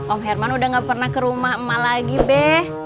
om herman udah gak pernah ke rumah emak lagi be